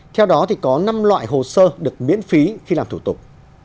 theo đó có năm loại hồ sơ được miễn phí khi làm thủ tục